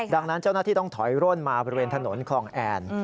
ดังนั้นเจ้าหน้าที่ต้องถอยร่นมาบริเวณถนนคลองแอน